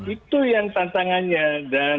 itu yang tantangannya